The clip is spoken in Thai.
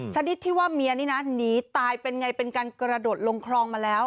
ชนิดที่ว่าเมียนี่นะหนีตายเป็นไงเป็นการกระโดดลงคลองมาแล้ว